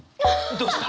どうした？